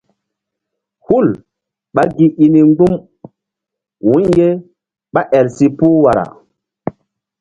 Hul ɓá gi i ni mgbu̧m wu̧y ye ɓá el si puh wara.